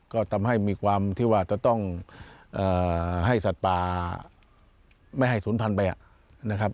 ก็ทำให้มีความที่ว่าจะต้องให้สัตว์ป่าไม่ให้ศูนย์พันธุ์ไปนะครับ